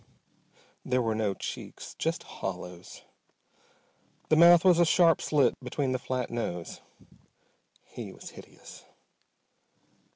There were no cheeks. Just hollows. The mouth was a sharp slit beneath the flat nose. He was hideous.